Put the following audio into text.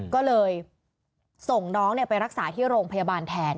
ก็เลยส่งน้องไปรักษาที่โรงพยาบาลแทน